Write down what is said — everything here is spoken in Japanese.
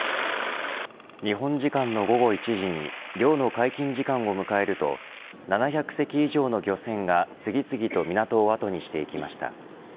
日本時間の午後１時に漁の解禁時間を迎えると７００隻以上の漁船が次々と港を後にしていきました。